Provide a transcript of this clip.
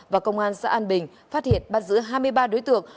và công an xã an bình phát hiện bắt giữ hai mươi ba đối tượng